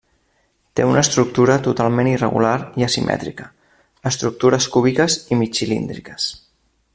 Té una estructura totalment irregular i asimètrica; estructures cúbiques i mig cilíndriques.